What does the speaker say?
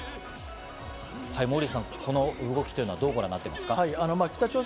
モーリーさん、この動きどうご覧になっていますか？